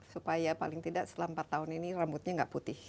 supaya paling tidak selama empat tahun ini rambutnya nggak putih